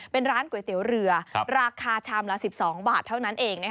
เป็นร้านก๋วยเตี๋ยวเรือราคาชามละ๑๒บาทเท่านั้นเอง